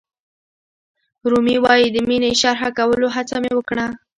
رومي وایي د مینې شرحه کولو هڅه مې وکړه.